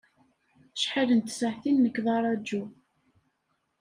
Acḥal n tsaɛtin nekk d araǧu.